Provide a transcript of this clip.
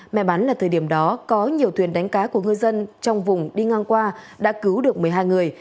may mắn là thời điểm đó có nhiều thuyền đánh cá của ngư dân trong vùng đi ngang qua đã cứu được một mươi hai người